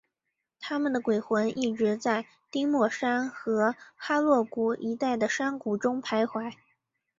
他们的鬼魂一直在丁默山和哈洛谷一带的山谷中徘徊。